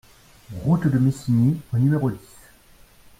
Route de Messigny au numéro dix